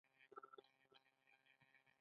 حساب ورکول د مسوولیت نښه ده